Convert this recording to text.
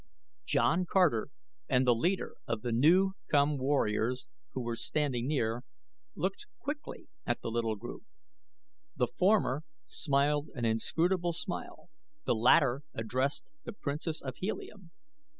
John Carter and the leader of the new come warriors, who were standing near, looked quickly at the little group. The former smiled an inscrutable smile, the latter addressed the Princess of Helium.